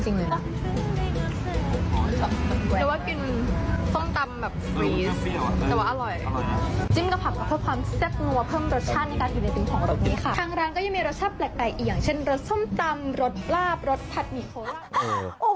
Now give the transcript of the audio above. เช่นรสส้มตำรสลาบรสผัดหมี่โค้ง